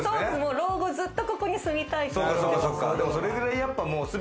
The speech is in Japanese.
老後、ずっとここに住みたいから。